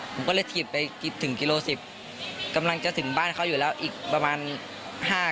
ผมก็เลยถีบไปถึงกิโลสิบกำลังจะถึงบ้านเขาอยู่แล้วอีกประมาณห้า